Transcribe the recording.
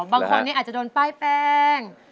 บางคนอาจจะโดนป้ายแป้ง